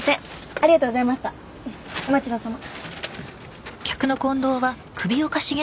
ありがとうございましたお待ち遠さま